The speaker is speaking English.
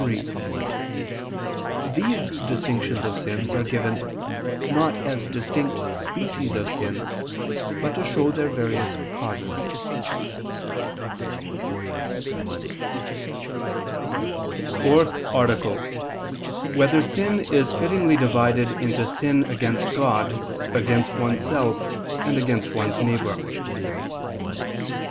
3: These distinctions of sins are given, not as distinct species of sins, but to show their various causes. ________________________ FOURTH ARTICLE [I II, Q. 72, Art. 4] Whether Sin Is Fittingly Divided into Sin Against God, Against Oneself, and Against One's Neighbor?